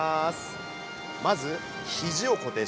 まず肘を固定します。